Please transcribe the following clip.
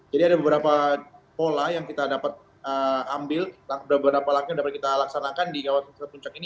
jadi ada beberapa pola yang kita dapat ambil beberapa langkah yang dapat kita laksanakan di kawasan peserta puncak ini